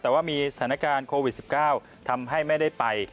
แต่ว่ามีสถานการณ์โควิด๑๙ทำให้ไม่ได้ไป